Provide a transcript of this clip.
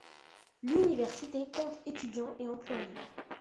L'université compte étudiants et employés.